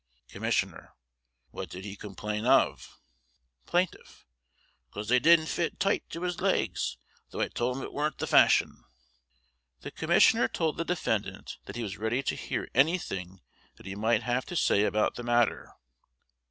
Commissioner: What did he complain of? Plaintiff: 'Cause they didn't fit tight to his legs, though I told him it warn't the fashion. The Commissioner told the defendant that he was ready to hear anything that he might have to say about the matter.